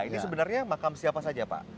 ini sebenarnya makam siapa saja pak